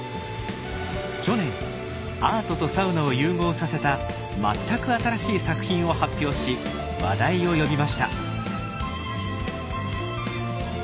去年アートとサウナを融合させた全く新しい作品を発表し話題を呼びました。